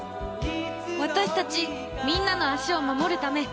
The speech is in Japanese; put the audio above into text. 私たちみんなの足を守るため行ってきます！